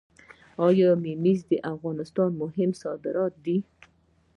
آیا ممیز د افغانستان مهم صادرات دي؟